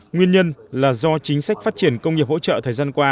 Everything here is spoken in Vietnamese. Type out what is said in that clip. nguyên nhân là do chính sách phát triển công nghiệp hỗ trợ thời gian qua